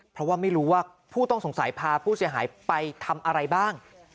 เพราะว่าไม่รู้ว่าผู้ต้องสงสัยพาผู้เสียหายไปทำอะไรบ้าง